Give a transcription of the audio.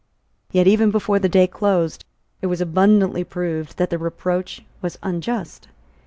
Yet, even before the day closed, it was abundantly proved that the reproach was unjust.